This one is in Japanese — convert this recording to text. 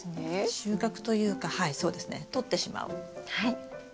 収穫というかはいそうですねとってしまう。